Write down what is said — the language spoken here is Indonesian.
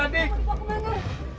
mau dibawa ke mana